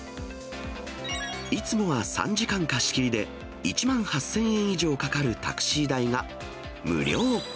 いつもは３時間貸し切りで、１万８０００円以上かかるタクシー代が無料。